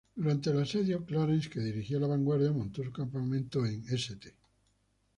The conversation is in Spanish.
Durante el asedio, Clarence, que dirigía la vanguardia, montó su campamento en St.